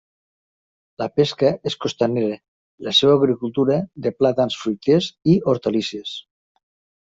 La pesca és costanera i la seua agricultura de plàtans, fruiters i hortalisses.